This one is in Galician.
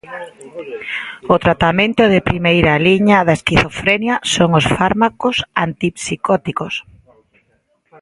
O tratamento de primeira liña da esquizofrenia son os fármacos antipsicóticos.